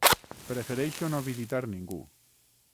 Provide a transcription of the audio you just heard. Prefereixo no visitar ningú.